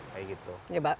ya lumayan lah